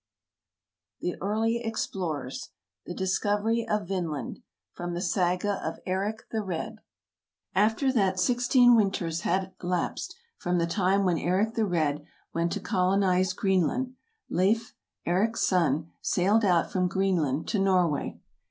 THE EARLY EXPLORERS The Discovery of Vinland From the Saga of Eric the Red AFTER that sixteen winters had lapsed, from the time when Eric the Red went to colonize Greenland, Leif, Eric's son, sailed out from Greenland to Norway.